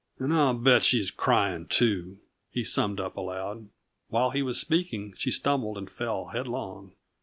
"And I'll bet she's crying, too," he summed up aloud. While he was speaking, she stumbled and fell headlong.